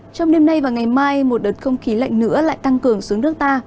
trong đêm nay và ngày mai một đợt không khí lạnh nữa lại tăng cường xuống nước ta